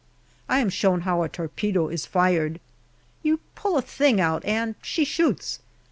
I am shown how a torpedo is fired. You pull a thing out and she shoots.